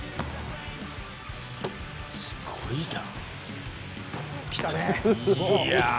すごいな。